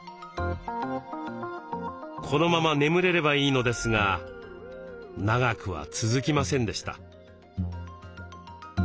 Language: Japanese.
このまま眠れればいいのですが長くは続きませんでした。